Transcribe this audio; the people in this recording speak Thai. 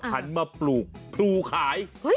หันมาปลูกพลูขาย